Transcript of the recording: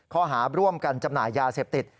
ข้อหาร่วมกันจำหน่ายยาเสพติด